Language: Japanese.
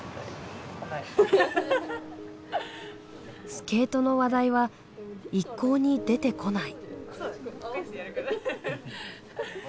スケートの話題は一向に出てこない。